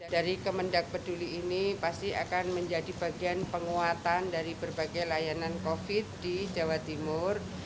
dari kemendak peduli ini pasti akan menjadi bagian penguatan dari berbagai layanan covid di jawa timur